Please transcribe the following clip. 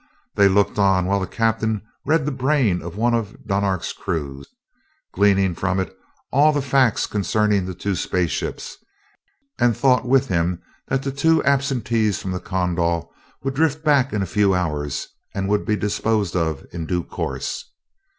They looked on while the captain read the brain of one of Dunark's crew, gleaning from it all the facts concerning the two space ships, and thought with him that the two absentees from the Kondal would drift back in a few hours, and would be disposed of in due course.